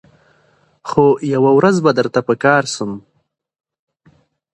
خو یوه ورځ به درته په کار سم